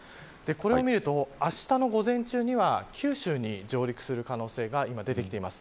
これを見るとあしたの午前中には九州に上陸する可能性が今、出てきています。